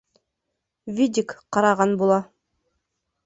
— Видик ҡараған була!